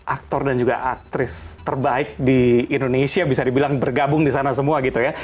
aktor dan juga aktris terbaik di indonesia bisa dibilang bergabung di sana semua gitu ya